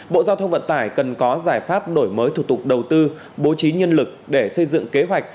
bộ giao thông vận tải cần có giải pháp đổi mới thủ tục đầu tư bố trí nhân lực để xây dựng kế hoạch